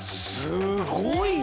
すごいな。